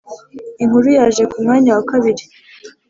Inkuru yaje kumwanya wa kabiri